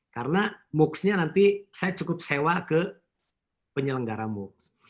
karena moocsnya nanti saya cukup sewa ke penyelenggara moocs